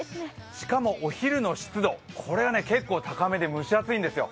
しかもお昼の湿度、これが結構高めで蒸し暑いんですよ。